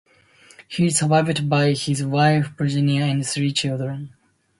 He is survived by his wife Virginia and three children.